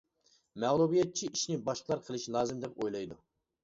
مەغلۇبىيەتچى: «ئىشنى باشقىلار قىلىشى لازىم» دەپ ئويلايدۇ.